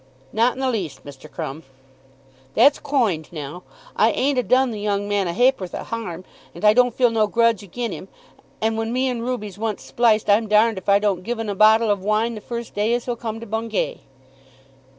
"Not in the least, Mr. Crumb." "That's koind now. I ain't a done the yong man a ha'porth o' harm, and I don't feel no grudge again him, and when me and Ruby's once spliced, I'm darned if I don't give 'un a bottle of wine the first day as he'll come to Bungay."